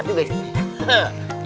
ya makasih pak